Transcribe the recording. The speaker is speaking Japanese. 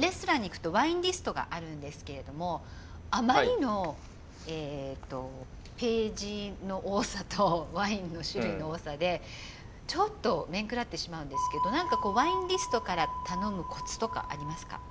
レストランに行くとワインリストがあるんですけれどもあまりのページの多さとワインの種類の多さでちょっと面食らってしまうんですけど何かワインリストから頼むコツとかありますか？